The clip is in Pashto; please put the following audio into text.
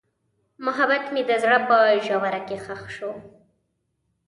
محبت مې د زړه په ژوره کې ښخ شو.